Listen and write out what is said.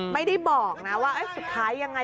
ไม่ได้บอกนะว่าสุดท้ายยังไง